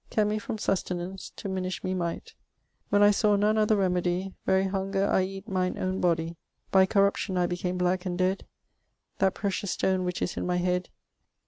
eapt me from sustenance to mynishe me myght ... When I saw none other remedye ... very hunger I eate myne one bodye ..... by corruption I became black and dedd at precious stone which is in my hedd